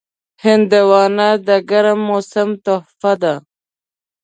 هندوانه د ګرم موسم تحفه ده.